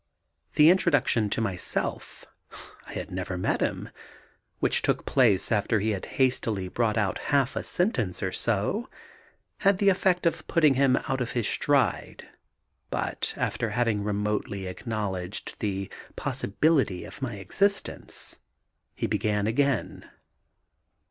The introduction to myself I had never met him which took place after he had hastily brought out half a sentence or so, had the effect of putting him out of his stride, but, after having remotely acknowledged the possibility of my existence, he began again.